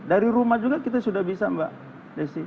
dari rumah juga kita sudah bisa mbak desi